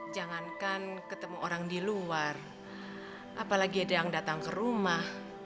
jangankan ketemu orang di luar apalagi ada yang datang ke rumah